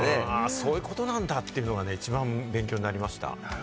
そういうことなんだっていうのが一番勉強になりました。